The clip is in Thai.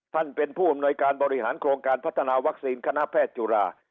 ท่านเป็นผู้อำนวยการบริหารโครงการพัฒนาวัคซีนคณะแพทย์จุฬา